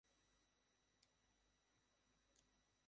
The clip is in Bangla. জেলে ছয়মাস আরামেই ছিলাম।